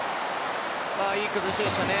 いい崩しでしたね。